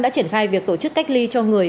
đã triển khai việc tổ chức cách ly cho người